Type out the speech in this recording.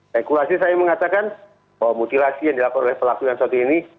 rekurasi saya mengatakan bahwa mutilasi yang dilakukan oleh pelakuan seperti ini